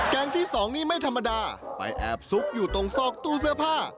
ที่สองนี้ไม่ธรรมดาไปแอบซุกอยู่ตรงซอกตู้เสื้อผ้า